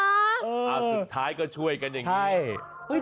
เอาสุดท้ายก็ช่วยกันอย่างนี้